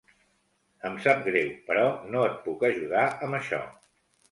Em sap greu, però no et puc ajudar amb això.